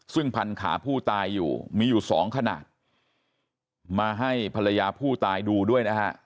ซึ่งพันขาผู้ตายอยู่มีอยู่สองขนาดมาให้ภรรยาผู้ตายดูด้วยนะฮะ